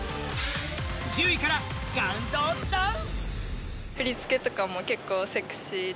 １０位からカウントダウン！